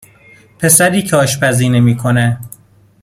پسر که آشپزی نمیکنه